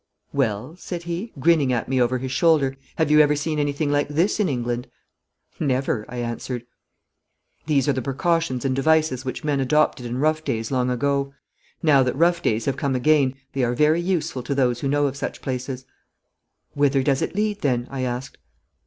'Well,' said he, grinning at me over his shoulder, 'have you ever seen anything like this in England?' 'Never,' I answered. 'These are the precautions and devices which men adopted in rough days long ago. Now that rough days have come again, they are very useful to those who know of such places.' 'Whither does it lead, then?' I asked.